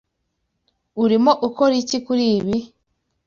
Urimo ukora iki kuri ibi?